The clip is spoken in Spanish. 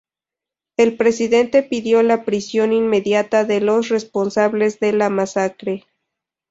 El presidente pidió la prisión inmediata de los responsables por la masacre.